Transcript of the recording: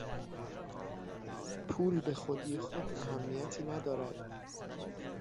پول به خودی خود اهمیتی ندارد.